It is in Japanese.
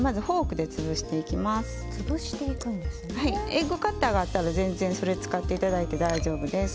エッグカッターがあったら全然それ使って頂いて大丈夫です。